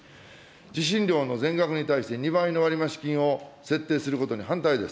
受信料の全額に対して２倍の割増金を設定することに反対です。